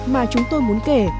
mà chúng tôi muốn kể